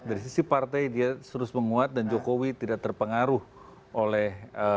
dari sisi partai dia terus menguat dan jokowi tidak terpengaruh oleh